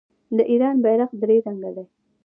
د ایران بیرغ درې رنګه دی.